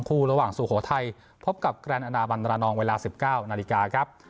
คู่ระหว่างสู่โหวไทพบกับแกรนดาบันรณองเวลาสิบเก้านาฬิกาครับ